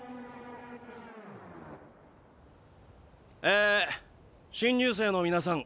え新入生の皆さん